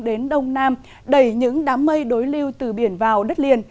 đến đông nam đẩy những đám mây đối lưu từ biển vào đất liền